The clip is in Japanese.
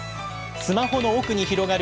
スマホの奥に広がる